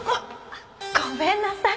あっごめんなさい